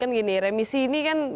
kan gini remisi ini kan